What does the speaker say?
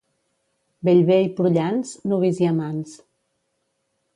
Bellver i Prullans, nuvis i amants.